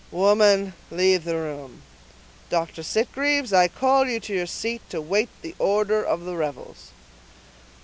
"Woman, leave the room. Dr. Sitgreaves, I call you to your seat, to wait the order of the revels."